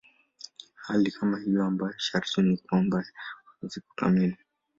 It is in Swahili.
Hali kama hiyo ambayo sharti ni kwamba ya mapumziko kamili.